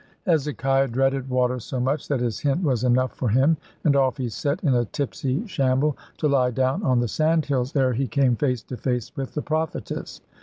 Hezekiah dreaded water so much that this hint was enough for him; and off he set in a tipsy shamble, to lie down on the sandhills, ere he came face to face with the prophetess.